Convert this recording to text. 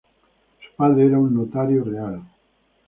Su padre era un notario real.